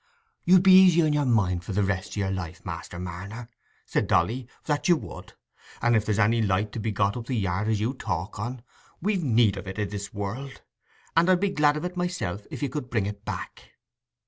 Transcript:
"You'd be easier in your mind for the rest o' your life, Master Marner," said Dolly—"that you would. And if there's any light to be got up the yard as you talk on, we've need of it i' this world, and I'd be glad on it myself, if you could bring it back."